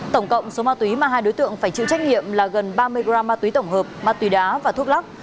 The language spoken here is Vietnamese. tổng cộng số ma túy mà hai đối tượng phải chịu trách nhiệm là gần ba mươi gram ma túy tổng hợp ma túy đá và thuốc lắc